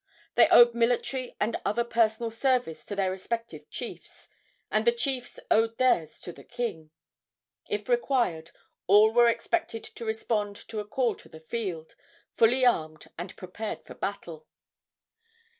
They owed military and other personal service to their respective chiefs, and the chiefs owed theirs to the king. If required, all were expected to respond to a call to the field, fully armed and prepared for battle.